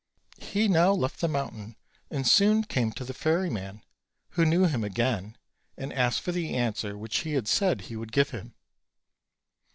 He now left the mountain and soon came to the ferry man, who knew him again, and asked for the answer which he had said he would give him.